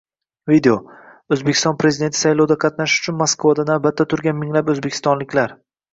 Video: O‘zbekiston prezidenti saylovida qatnashish uchun Moskvada navbatda turgan minglab o‘zbekistonliklar